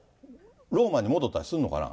ローマに戻ったりすんのかな？